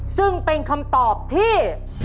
ซึ่งเป็นคำตอบที่